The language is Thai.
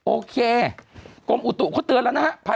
โอเคกรมอุตุเขาเตือนแล้วนะฮะ